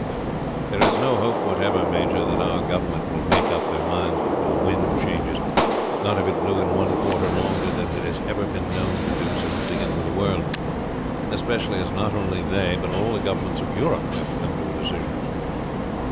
"There is no hope whatever, major, that our government will make up their minds before the wind changes, not if it blew in one quarter longer than it has ever been known to do since the beginning of the world. Especially, as not only they, but all the governments of Europe have to come to a decision."